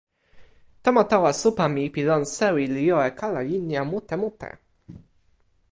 tomo tawa supa mi pi lon sewi li jo e kala linja mute mute